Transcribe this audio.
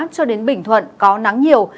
cho đến bình thuận có nắng nhiều